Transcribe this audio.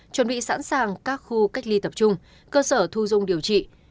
chuẩn bị sẵn sàng các khu cách ly tập trung cơ sở thu dung điều trị